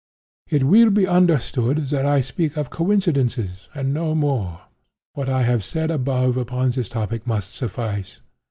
(*23)] It will be understood that I speak of coincidences and no more. What I have said above upon this topic must suffice.